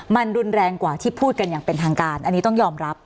มันรุนแรงกว่าที่พูดกันอย่างเป็นทางการอันนี้ต้องยอมรับ